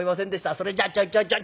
それじゃちょいちょいちょい」。